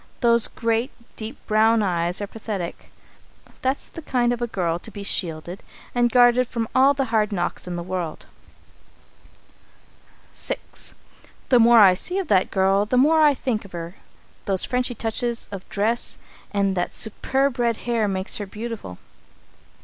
Those great, deep brown eyes are pathetic. That's the kind of a girl to be shielded and guarded from all the hard knocks in the world. VI. "The more I see of that girl, the more I think of her. Those Frenchy touches of dress and that superb red hair make her beautiful.